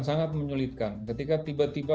sangat menyulitkan ketika tiba tiba